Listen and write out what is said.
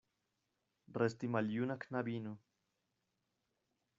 Resti maljuna knabino.